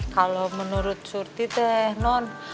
kalau menurut surti teh non